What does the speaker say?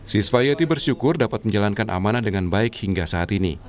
siswa yati bersyukur dapat menjalankan amanah dengan baik hingga saat ini